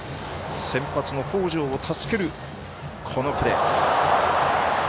先発の北條を助ける、このプレー。